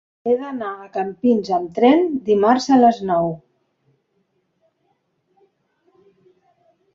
He d'anar a Campins amb tren dimarts a les nou.